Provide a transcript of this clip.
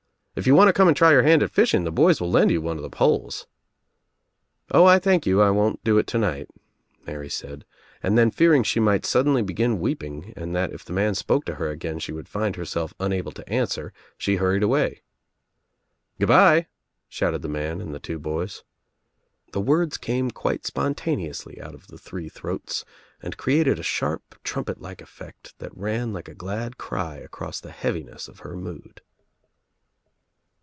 If you want to come and try your hand at fishing the boys will lend you one of the poles," "O, I thank you, I won't do it tonight," Mary said, and then fearing she might suddenly begin weeping and that if the man spoke to her again she would find herself unable to answer, she hurried away. "Good bye !" shouted the man and the two boys. The words came quite spontaneously out of the three throats and created a sharp trumpet like effect that rang like a glad cry across the heaviness of her mood.